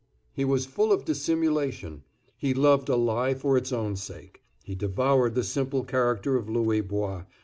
He was full of dissimulation; he loved a lie for its own sake; he devoured the simple character of Louis Bois.